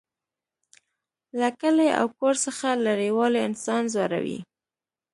له کلي او کور څخه لرېوالی انسان ځوروي